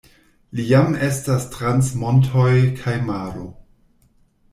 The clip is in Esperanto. Li jam estas trans montoj kaj maro.